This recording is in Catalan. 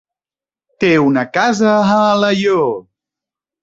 Té una casa a Alaior.